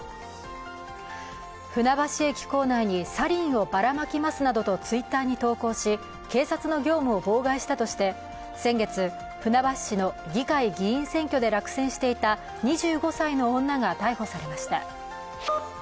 船橋駅構内にサリンをばらまきますなどとＴｗｉｔｔｅｒに投稿し、警察の業務を妨害したとして先月、船橋市の議会議員選挙で落選していた２５歳の女が逮捕されました。